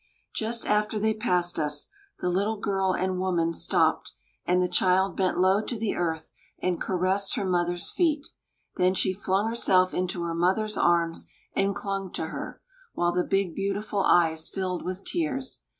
Just after they passed us, the little girl and woman stopped; and the child bent low to the earth and caressed her mother's feet. Then she flung herself into her mother's arms and clung to her, while the big, beautiful eyes filled with tears.